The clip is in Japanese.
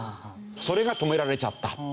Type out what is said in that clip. それが止められちゃった。